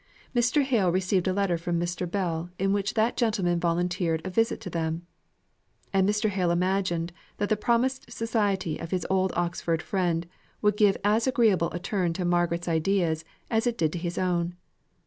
Mr. Hale received a letter from Mr. Bell, in which that gentleman volunteered a visit to them; and Mr. Hale imagined that the promised society of his old Oxford friend would give as agreeable a turn to Margaret's ideas as it did to his own.